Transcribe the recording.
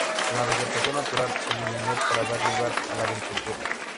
La vegetación natural se eliminó para dar lugar a la agricultura.